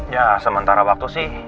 yah sementara waktu sih